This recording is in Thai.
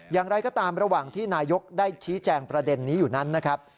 อย่างไรก็ตามระหว่างที่นายกได้ชี้แจงประเด็นนี้อยู่นั้นนะครับ